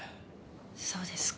そうですか。